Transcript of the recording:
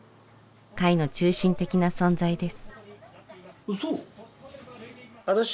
会の中心的な存在です。